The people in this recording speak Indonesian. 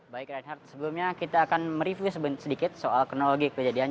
baik reinhardt sebelumnya kita akan mereview sedikit soal kronologi kejadian